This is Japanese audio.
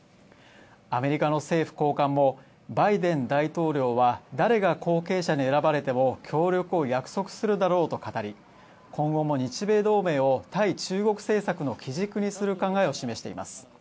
アメリカの政府高官も「バイデン大統領は誰が後継者に選ばれても協力を約束するだろう」と語り、今後も日米同盟を対中国政策の基軸にする考えを示しています。